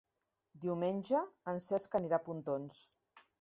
Diumenge en Cesc anirà a Pontons.